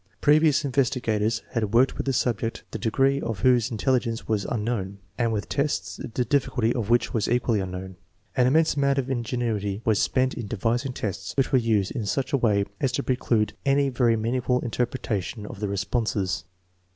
Previous investigators had worked with subjects the degree of whose intelligence was unknown, and with tests tint difficulty of which was equally unknown. An immense amount of ingenuity was spent in devising tests which wore used in such a way as to THE BINET SIMON METHOD 41 preclude any very meaningful interpretation of the re sponses.